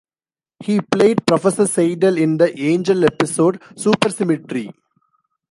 He played Professor Seidel in the "Angel" episode "Supersymmetry".